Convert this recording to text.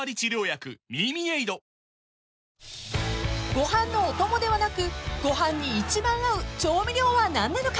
［ご飯のお供ではなくご飯に一番合う調味料は何なのか？］